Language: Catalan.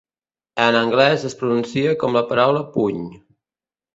En anglès es pronuncia com la paraula "puny".